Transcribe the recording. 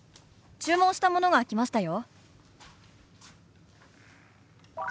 注文したものが来ましたよ」。